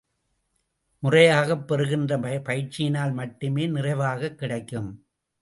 முறையாகப் பெறுகின்ற பயிற்சியினால் மட்டுமே நிறைவாகக் கிடைக்கும்.